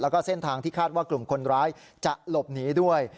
แล้วก็เส้นทางที่คาดว่ากลุ่มคนร้ายจะหลบหนีด้วย